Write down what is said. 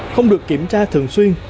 không được kiểm tra thường xuyên